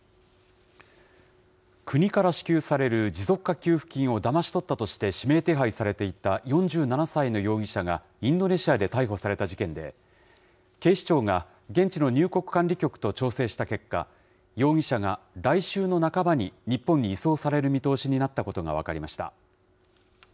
国から支給される持続化給付金をだまし取ったとして指名手配されていた４７歳の容疑者が、インドネシアで逮捕された事件で、警視庁が現地の入国管理局と調整した結果、容疑者が来週の半ばに日本に移送される見通しになったことが分かりました。